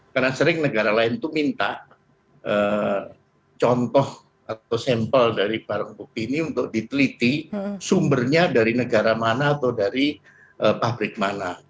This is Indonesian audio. karena sering negara lain itu minta contoh atau sampel dari barang bukti ini untuk diteliti sumbernya dari negara mana atau dari pabrik mana